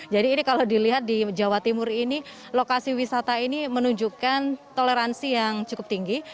jadi ini kalau dilihat di jawa timur ini lokasi wisata ini menunjukkan toleransi yang cukup tinggi